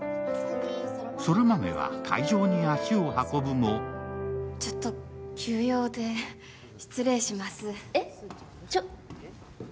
空豆は会場に足を運ぶもちょっと急用で失礼します。